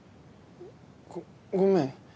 ごごめん。